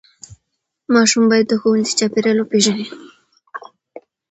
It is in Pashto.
ماشوم باید د ښوونځي چاپېریال وپیژني.